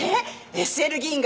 ＳＬ銀河。